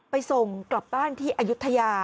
ส่งกลับบ้านที่อายุทยา